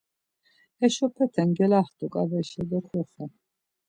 Heşopete gelaxtu ǩaveşa do koxen.